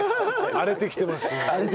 荒れてきてます。